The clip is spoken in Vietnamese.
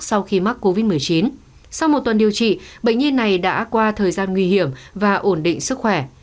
sau khi mắc covid một mươi chín sau một tuần điều trị bệnh nhi này đã qua thời gian nguy hiểm và ổn định sức khỏe